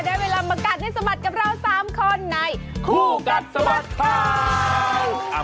ได้เวลามากัดในสมัติกับเรา๓คนในคู่กัดสมัติข่าว